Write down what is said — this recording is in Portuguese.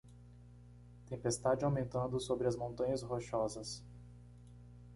Tempestade aumentando sobre as Montanhas Rochosas.